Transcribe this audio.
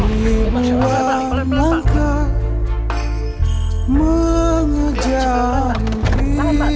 ribuan langkah mengejar diri